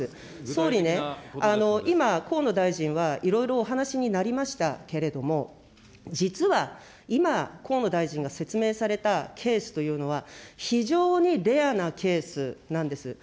総理ね、今、河野大臣はいろいろお話しになりましたけれども、実は、今、河野大臣が説明されたケースというのは、非常にレアなケースなんです。